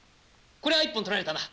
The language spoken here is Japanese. こりゃ一本取られたな。